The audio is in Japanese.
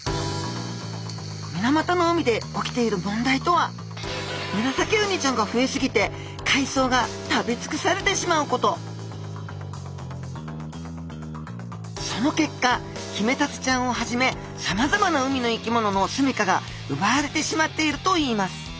水俣の海で起きている問題とはムラサキウニちゃんが増えすぎて海藻が食べつくされてしまうことその結果ヒメタツちゃんをはじめさまざまな海の生き物の住みかがうばわれてしまっているといいます